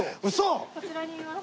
こちらにいます。